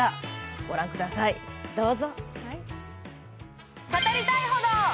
ご覧ください、どうぞ。